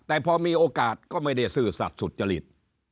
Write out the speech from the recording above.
แต่พอมีโอกาสก็ไม่ได้ซื่อสัตว์สุจริต